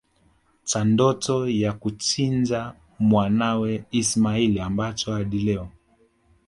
cha ndoto ya kuchinja mwanawe ismail ambacho hadi Leo